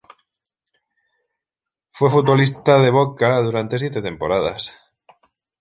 Fue futbolista de Boca durante siete temporadas.